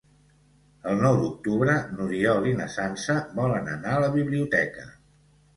El nou d'octubre n'Oriol i na Sança volen anar a la biblioteca.